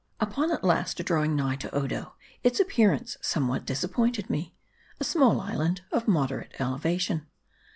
UPON at last drawing nigh to Odo, its appearance some what disappointed me. A small island, of moderate eleva tion.